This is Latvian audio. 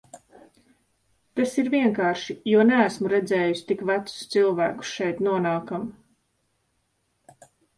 Tas ir vienkārši, jo neesmu redzējusi tik vecus cilvēkus šeit nonākam.